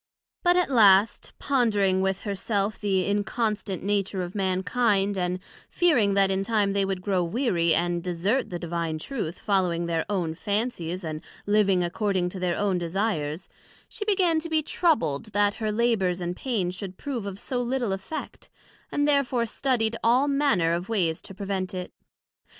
But at last, pondering with her self the inconstant nature of Mankind, and fearing that in time they would grow weary, and desert the divine Truth, following their own fancies, and living according to their own desires; she began to be troubled that her labours and pains should prove of so little effect, and therefore studied all manner of ways to prevent it.